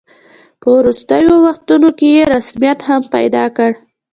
په وروستیو وختونو کې یې رسمیت هم پیدا کړ.